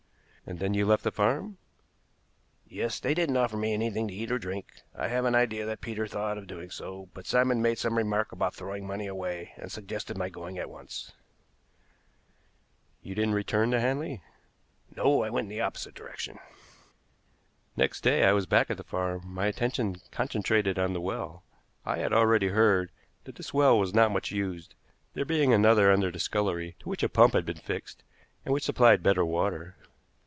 "And then you left the farm?" "Yes; they didn't offer me anything to eat or drink. I have an idea that Peter thought of doing so, but Simon made some remark about throwing money away, and suggested my going at once." "You didn't return to Hanley?" "No, I went in the opposite direction." Next day I was back at the farm, my attention concentrated on the well. I had already heard that this well was not much used, there being another under the scullery, to which a pump had been fixed, and which supplied better water.